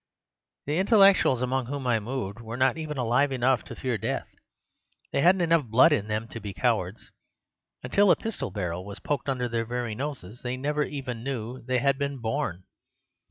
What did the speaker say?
The intellectuals among whom I moved were not even alive enough to fear death. They hadn't enough blood in them to be cowards. Until a pistol barrel was poked under their very noses they never even knew they had been born.